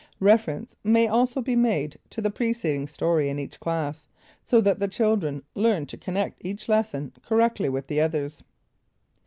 Reference may also be made to the preceding story in each class, so that the children learn to connect each lesson correctly with the others.